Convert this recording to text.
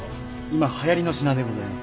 今流行の品でございます。